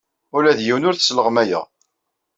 Ula d yiwen ur t-sleɣmayeɣ.